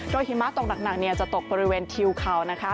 หิมะตกหนักจะตกบริเวณทิวเขานะคะ